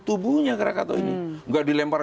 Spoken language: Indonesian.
tubuhnya krakato ini tidak dilempar